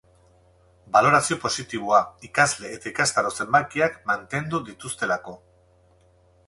Balorazio positiboa, ikasle eta ikastaro zenbakiak mantendu dituztelako.